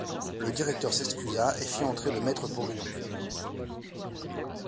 Le directeur s’excusa et fit entrer le maître-porion.